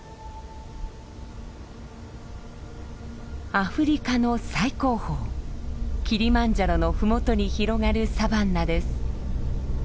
アフリカの最高峰キリマンジャロの麓に広がるサバンナです。